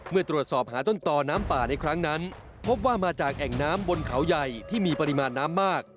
เมื่อตรวจสอบหาต้นตอน้ำป่าในครั้งนั้นพบว่ามาจากแอ่งน้ำบนเขาใหญ่ที่มีปริมาณน้ำมาก